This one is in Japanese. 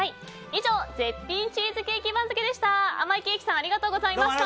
以上絶品チーズケーキ番付でした。